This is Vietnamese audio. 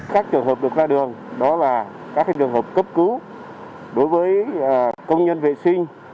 các trường hợp được ra đường đó là các trường hợp cấp cứu đối với công nhân vệ sinh